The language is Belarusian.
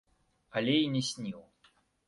Але і не сніў.